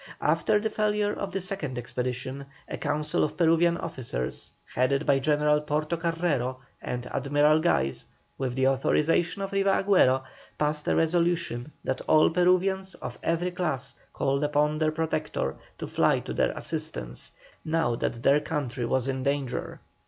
After the failure of the second expedition a council of Peruvian officers, headed by General Porto Carrero and Admiral Guise, with the authorization of Riva Agüero, passed a resolution that all Peruvians of every class called upon their Protector to fly to their assistance, now that their country was in danger.